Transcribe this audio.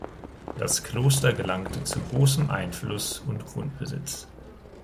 Das Kloster gelangte zu großem Einfluss und Grundbesitz.